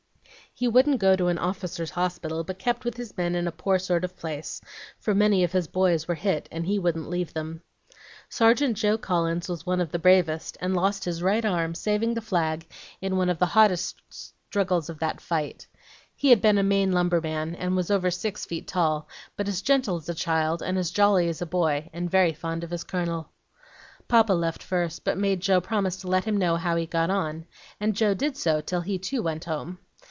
He wouldn't go to an officer's hospital, but kept with his men in a poor sort of place, for many of his boys were hit, and he wouldn't leave them. Sergeant Joe Collins was one of the bravest, and lost his right arm saving the flag in one of the hottest struggles of that great fight. He had been a Maine lumberman, and was over six feet tall, but as gentle as a child, and as jolly as a boy, and very fond of his colonel. "Papa left first, but made Joe promise to let him know how he got on, and Joe did so till he too went home.